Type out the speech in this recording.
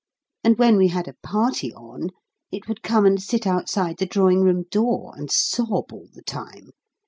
And when we had a party on, it would come and sit outside the drawing room door, and sob all the time.